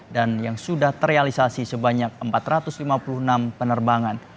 dan yang sudah terrealisasi sebanyak empat ratus lima puluh enam penerbangan